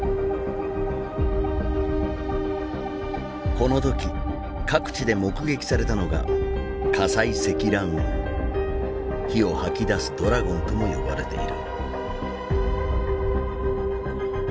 この時各地で目撃されたのが火を吐き出すドラゴンとも呼ばれている。